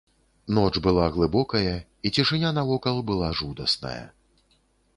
Ноч была глыбокая, і цішыня навокал была жудасная.